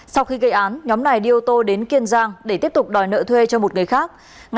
sau khi gây án nhóm này đi ô tô đến kiên giang để tiếp tục đòi nợ thuê cho một người khác